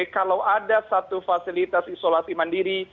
kalau ada satu fasilitas isolasi mandiri